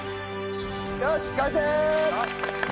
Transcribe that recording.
よし完成！